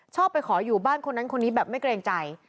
ชอบไปขออยู่บ้านคนนั้นคนนี้แบบไม่เกรงใจ